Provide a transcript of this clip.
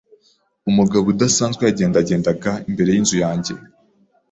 Umugabo udasanzwe yagendagendaga imbere yinzu yanjye.